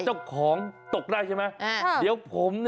เป็นรายการสดช่วย